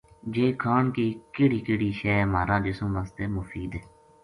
جے کھان کی کہڑی کہڑٖی شے مھارا جسم واسطے مفید